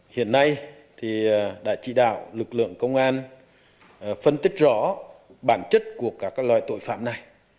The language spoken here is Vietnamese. hiện nay thì đã chỉ đạo lực lượng công an phân tích rõ bản chất của các loài tội phạm này